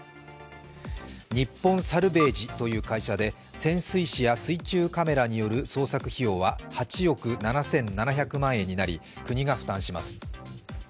日本サルヴェージという会社で、潜水士や水中カメラによる捜索費用は８億７７００万円になり、国が負担します。